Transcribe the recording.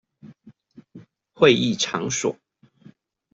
會議場所